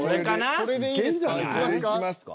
これでいきますか？